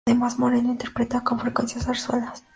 Además, Moreno interpreta con frecuencia zarzuelas.